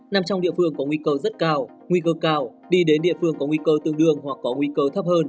nằm trong địa phương có nguy cơ rất cao nguy cơ cao đi đến địa phương có nguy cơ tương đương hoặc có nguy cơ thấp hơn